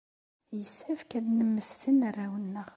Yessefk ad nemmesten arraw-nneɣ.